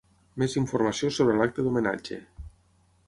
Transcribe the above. Més informació sobre l'acte d'Homenatge.